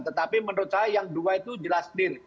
tetapi menurut saya yang kedua itu jelas sendiri